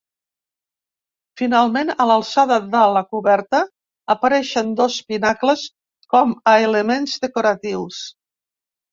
Finalment, a l'alçada de la coberta, apareixen dos pinacles com a elements decoratius.